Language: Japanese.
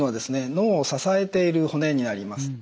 脳を支えている骨になります。